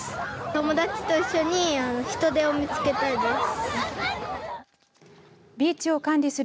友達と一緒にヒトデを見つけたいです。